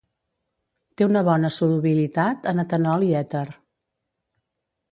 Té una bona solubilitat en etanol i èter.